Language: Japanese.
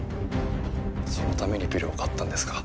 そのためにビルを買ったんですか。